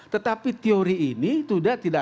tetapi teori ini sudah tidak